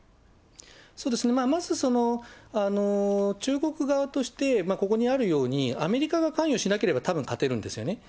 そうですね、まず、中国側として、ここにあるようにアメリカが関与しなければたぶん勝てるんですよね。